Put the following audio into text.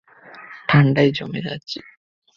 ঠাণ্ডায় জমে যাচ্ছি।